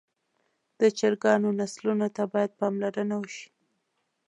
د چرګانو نسلونو ته باید پاملرنه وشي.